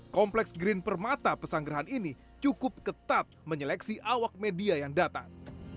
kompleks green permata pesanggerahan ini cukup ketat menyeleksi awak media yang datang